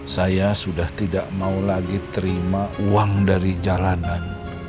saya sudah tidak mau lagi terima uang dari jalanan